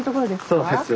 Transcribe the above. そうです。